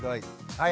はい。